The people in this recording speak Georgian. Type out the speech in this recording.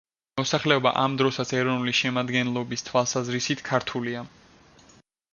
მოსახლეობა ამ დროსაც ეროვნული შემადგენლობის თვალსაზრისით ქართულია.